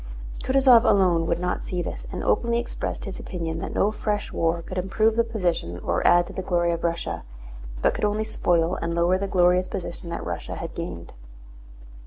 Kutúzov alone would not see this and openly expressed his opinion that no fresh war could improve the position or add to the glory of Russia, but could only spoil and lower the glorious position that Russia had gained.